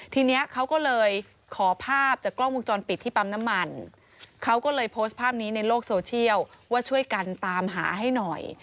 ทีนี้เขาก็เลยขอภาพจากกล้องวงจรปิดที่ปั๊มน้ำมันเขาก็เลยโพสต์ภาพนี้ในโลกโซเชียลว่าช่วยกันตามหาให้หน่อย